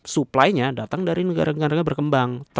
supply nya datang dari negara negara berkembang